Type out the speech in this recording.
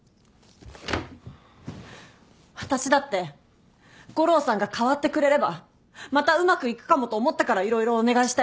私だって悟郎さんが変わってくれればまたうまくいくかもと思ったから色々お願いしたよ。